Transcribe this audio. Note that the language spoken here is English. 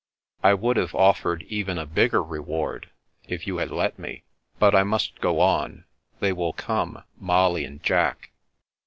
I would have offered even a bigger reward, if you had let me. But I must go on: — they will come — Molly and Jack.